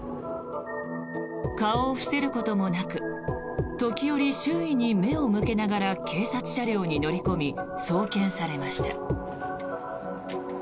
顔を伏せることもなく時折、周囲に目を向けながら警察車両に乗り込み送検されました。